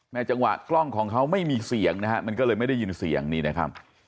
จังหวะกล้องของเขาไม่มีเสียงนะฮะมันก็เลยไม่ได้ยินเสียงนี่นะครับ